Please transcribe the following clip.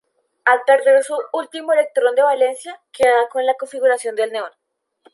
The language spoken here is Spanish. Al perder su último electrón de valencia, queda con la configuración del Neón.